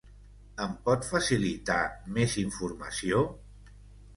Em pot facilitar més informació?